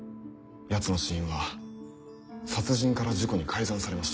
ヤツの死因は殺人から事故に改ざんされました。